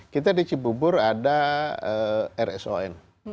kita di cibubur ada rson